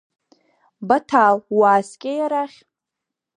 Баҭал, уааскьеи арахь…